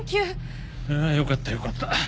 あよかったよかった。